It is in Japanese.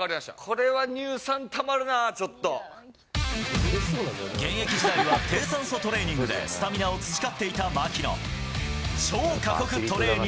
これは乳酸た現役時代は、低酸素トレーニングでスタミナを培っていた槙野。